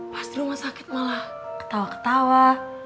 pas rumah sakit malah ketawa ketawa